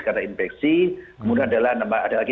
karena infeksi kemudian ada lagi